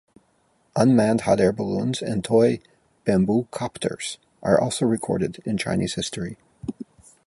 Unmanned hot-air balloons and toy "bamboo-copters" are also recorded in Chinese history.